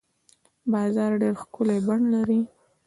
باز ډېر ښکلی بڼ لري